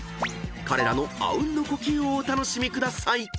［彼らのあうんの呼吸をお楽しみください］